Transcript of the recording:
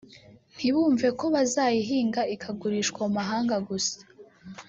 ntibumve ko bazayihinga ikagurishwa mu mahanga gusa